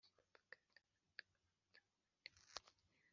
Kuko nshaka kuyikubira!”